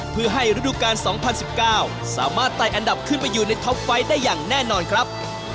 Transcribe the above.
เพื่อให้ฤดูกาล๒๐๑๙สามารถไต่อันดับขึ้นไปอยู่ในท็อปไฟต์ได้อย่างแน่นอนครับ